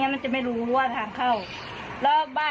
น่าจะเคยมาซื้อของไม่งั้นมันจะไม่รู้ว่าทางเข้า